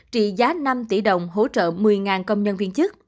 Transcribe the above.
trị giá năm tỷ đồng hỗ trợ một mươi công nhân viên chức